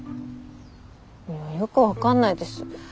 よく分かんないです。